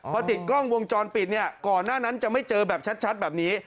พอติดกล้องวงจรปิดเนี่ยก่อนหน้านั้นจะไม่เจอแบบชัดแบบนี้